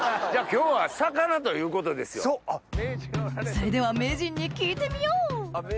それでは名人に聞いてみよう！